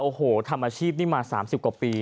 โอ้โหทำอาชีพนี้มา๓๐กว่าปี